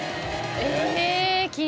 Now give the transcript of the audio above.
え！